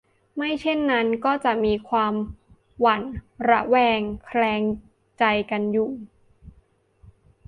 ไม่เช่นนั้นก็มีความหวั่นระแวงแคลงใจกันอยู่